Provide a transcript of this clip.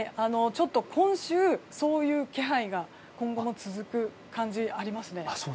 今週、そういう気配が今後も続く感じがあります。